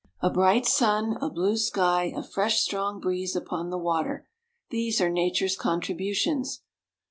A bright sun, a blue sky, a fresh, strong breeze upon the water, these are Nature's contributions.